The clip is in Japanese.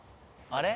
あれ？